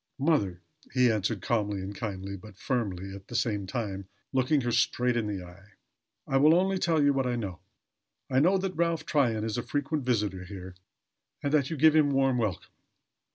"Mother," he answered, calmly and kindly, but firmly, at the same time looking her straight in the eye. "I will only tell you what I know. I know that Ralph Tryon is a frequent visitor here and that you give him warm welcome.